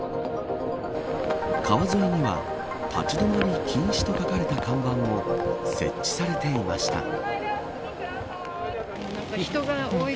川沿いには立ち止まり禁止と書かれた看板も設置されていました。